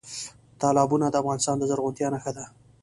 تالابونه د افغانستان د زرغونتیا نښه ده.